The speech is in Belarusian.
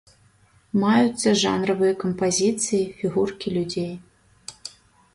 Маюцца жанравыя кампазіцыі, фігуркі людзей.